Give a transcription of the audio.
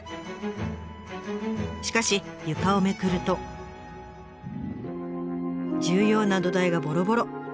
しかし床をめくると重要な土台がぼろぼろ。